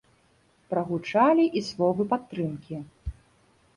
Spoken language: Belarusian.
Прагучалі і словы падтрымкі.